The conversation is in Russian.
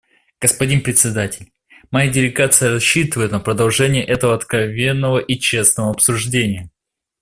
Господин Председатель, моя делегация рассчитывает на продолжение этого откровенного и честного обсуждения.